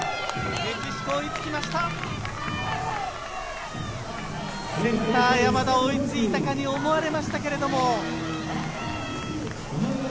センター・山田、追いついたかに思われましたが。